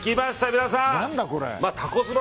皆さん。